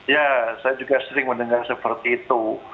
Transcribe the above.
ya saya juga sering mendengar seperti itu